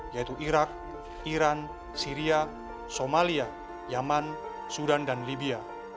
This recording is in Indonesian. yaitu irak iran syria somalia yaman sudan dan libya